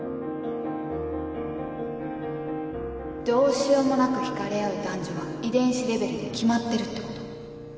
どうしようもなく引かれ合う男女は遺伝子レベルで決まってるってこと